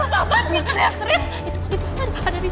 kenapa sih terlihat serius